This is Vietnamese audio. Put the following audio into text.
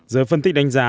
giờ phân tích đánh giá